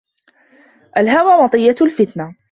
الْهَوَى مَطِيَّةُ الْفِتْنَةِ